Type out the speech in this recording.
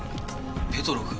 ペトロフ。